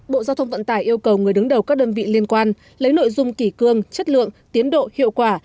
bộ giao thông vận tải yêu cầu người đứng đầu các đơn vị liên quan lấy nội dung kỷ cương chất lượng tiến độ hiệu quả